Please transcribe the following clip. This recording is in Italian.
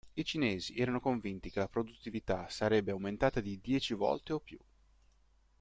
I cinesi erano convinti che la produttività sarebbe aumentata di dieci volte o più.